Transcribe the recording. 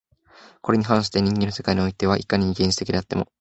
これに反して人間の世界においては、いかに原始的であっても